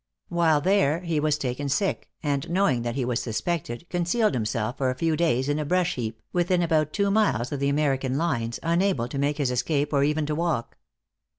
While there he was taken sick, and knowing that he was suspected, concealed himself for a few days in a brush heap, within about two miles of the American lines, unable to make his escape, or even to walk.